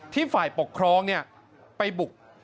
ฝ่ายปกครองไปบุก